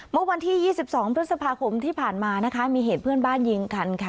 เมื่อวันที่๒๒พฤษภาคมที่ผ่านมานะคะมีเหตุเพื่อนบ้านยิงกันค่ะ